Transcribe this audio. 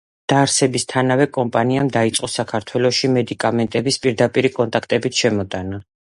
დაარსებისთანავე, კომპანიამ დაიწყო საქართველოში მედიკამენტების პირდაპირი კონტაქტებით შემოტანა.